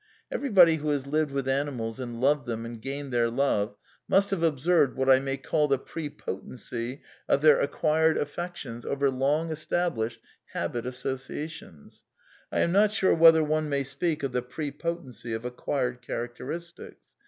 Everybody who has lived with animals, and loved them and gained their love, must have observed what I may call the pre potency o: their acquired affections over long established habit associa tions. (I am not sure whether one may speak of the pre potency of acquired characteristics!